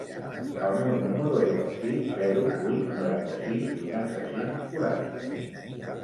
El meu número es el sis, zero, vuit, noranta-sis, vuitanta-cinc, quaranta.